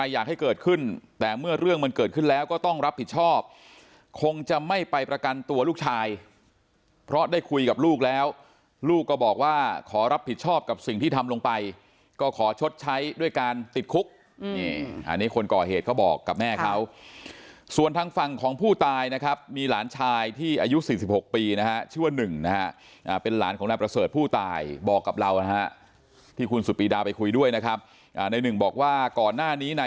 อยากให้เกิดขึ้นแต่เมื่อเรื่องมันเกิดขึ้นแล้วก็ต้องรับผิดชอบคงจะไม่ไปประกันตัวลูกชายเพราะได้คุยกับลูกแล้วลูกก็บอกว่าขอรับผิดชอบกับสิ่งที่ทำลงไปก็ขอชดใช้ด้วยการติดคุกอันนี้คนก่อเหตุเขาบอกกับแม่เขาส่วนทั้งฝั่งของผู้ตายนะครับมีหลานชายที่อายุสี่สิบหกปีนะฮะชื่อว่าหนึ่งนะ